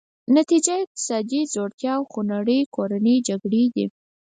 نتیجه یې اقتصادي ځوړتیا او خونړۍ کورنۍ جګړې دي.